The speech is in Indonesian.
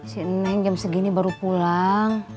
si neng jam segini baru pulang